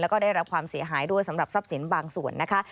แล้วก็ได้รับความเสียหายด้วยสำหรับทรัพย์สินบางส่วนนะคะ